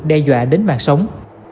đe dọa đến mạng sống